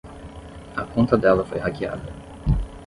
A conta dela foi hackeada.